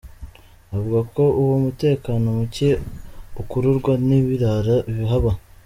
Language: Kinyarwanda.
Avuga ko uwo mutekano muke ukururwa n’ibirara bihaba.